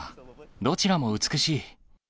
どちらも美しい。